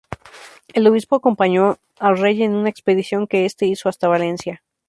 El obispo acompañó al rey en una expedición que este hizo hasta Valencia.